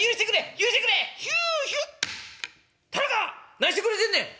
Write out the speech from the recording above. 何してくれてんねん！」。